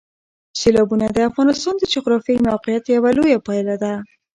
سیلابونه د افغانستان د جغرافیایي موقیعت یوه لویه پایله ده.